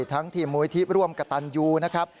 ทั้งทีมมุยที่ร่วมกระตันยูนะครับ